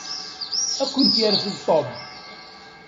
Ad kent-yerfed Tom.